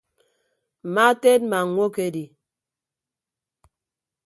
Mma teedma ñwokedi.